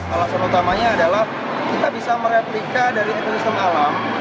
alasan utamanya adalah kita bisa mereplika dari ekosistem alam